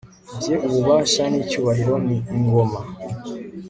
bye ububasha n'icyubahiro, ni ingoma